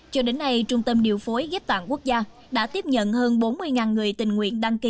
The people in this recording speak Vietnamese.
cho đến nay trung tâm điều phối ghép tạng quốc gia đã tiếp nhận hơn bốn mươi người tình nguyện đăng ký